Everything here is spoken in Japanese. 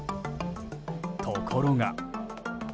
ところが。